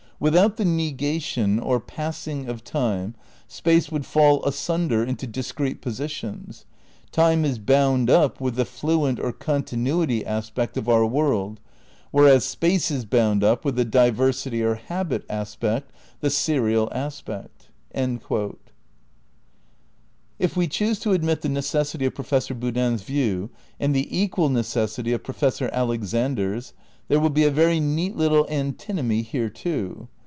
without the negation, or passing of time, space would fall asunder into discrete positions. ... Time is bound up with the fluent or continuity aspect of our world, whereas space is bound up with the diversity or habit aspect, the serial aspect." ' If we choose to admit the necessity of Professor Boodin's view, and the equal necessity of Professor Alexander's, there will be a very neat little antinomy here, too.